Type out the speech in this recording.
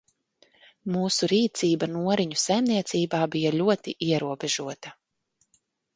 Mūsu rīcība Noriņu saimniecībā bij ļoti ierobežota.